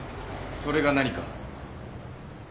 それが何か？